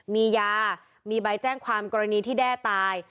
มียามีใบแจ้งความกรณีที่แด้ตาย